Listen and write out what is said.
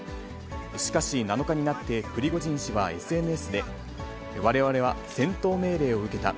しかし７日になって、プリゴジン氏はＳＮＳで、われわれは戦闘命令を受けた。